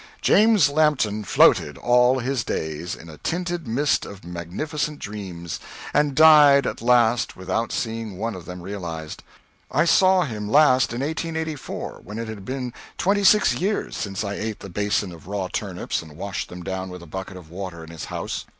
James Lampton floated, all his days, in a tinted mist of magnificent dreams, and died at last without seeing one of them realized. I saw him last in 1884, when it had been twenty six years since I ate the basin of raw turnips and washed them down with a bucket of water in his house.